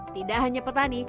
tidak hanya petani